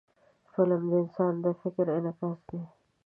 فلم د انسان د فکر انعکاس دی